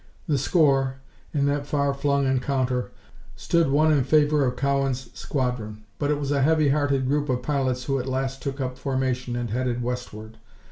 The score, in that far flung encounter, stood one in favor of Cowan's squadron, but it was a heavy hearted group of pilots who at last took up formation and headed westward.